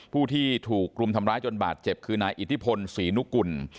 ผู้ที่ถูกรุมทำร้ายจนบาดเจ็บคือนายอิทธิพลศรีนุกุล